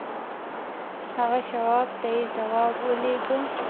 هغه شواب ته يې ځواب ولېږه.